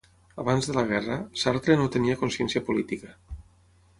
Abans de la guerra, Sartre no tenia consciència política.